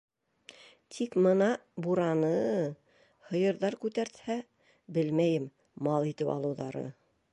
- Тик мына бураны... һыйырҙар күтәртһә, белмәйем, мал итеп алыуҙары...